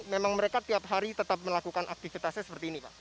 memang mereka tiap hari tetap melakukan aktivitasnya seperti ini pak